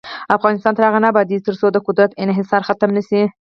افغانستان تر هغو نه ابادیږي، ترڅو د قدرت انحصار ختم نشي.